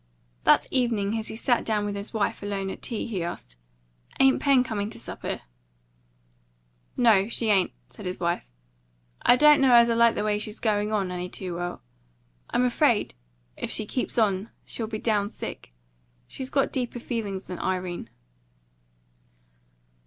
That evening as he sat down with his wife alone at tea, he asked, "Ain't Pen coming to supper?" "No, she ain't," said his wife. "I don't know as I like the way she's going on, any too well. I'm afraid, if she keeps on, she'll be down sick. She's got deeper feelings than Irene."